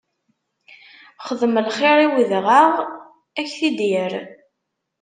Xdem lxiṛ i udɣaɣ, ad ak-t-id yerr!